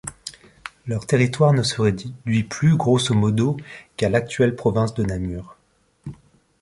Leur territoire ne se réduit plus, grosso-modo, qu'à l'actuelle Province de Namur.